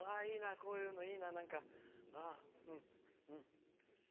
こういうのいいな。